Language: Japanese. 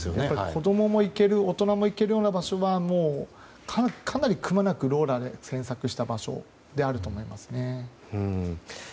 子供も大人も行けるような場所はかなりくまなくローラーで検索した場所であると思いますね。